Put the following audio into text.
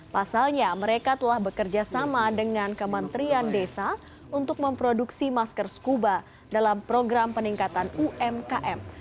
pasalnya mereka telah bekerja sama dengan kementerian desa untuk memproduksi masker scuba dalam program peningkatan umkm